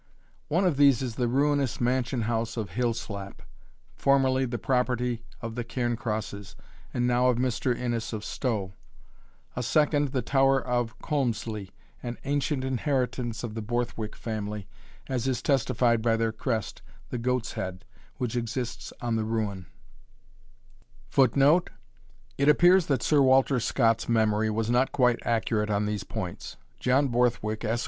One of these is the ruinous mansion house of Hillslap, formerly the property of the Cairncrosses, and now of Mr. Innes of Stow; a second the tower of Colmslie, an ancient inheritance of the Borthwick family, as is testified by their crest, the Goat's Head, which exists on the ruin; [Footnote: It appears that Sir Walter Scott's memory was not quite accurate on these points. John Borthwick, Esq.